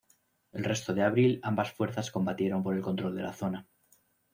El resto de abril ambas fuerzas combatieron por el control de la zona.